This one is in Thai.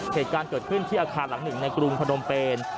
เหตุการณ์เกิดขึ้นที่อาคารหลังหนึ่งในกรุงพนมเปน